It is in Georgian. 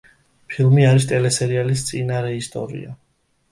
ფილმი არის ტელესერიალის წინარეისტორია.